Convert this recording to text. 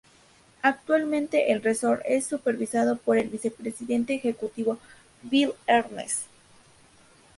Actualmente, el resort es supervisado por el vicepresidente ejecutivo Bill Ernest.